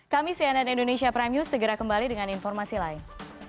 kami cnn indonesia prime news segera kembali dengan informasi lain